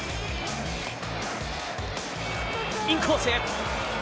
インコースへ！